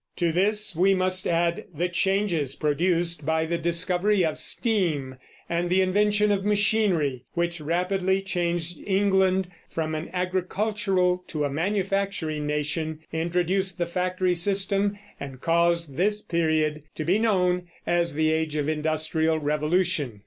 To this we must add the changes produced by the discovery of steam and the invention of machinery, which rapidly changed England from an agricultural to a manufacturing nation, introduced the factory system, and caused this period to be known as the Age of Industrial Revolution.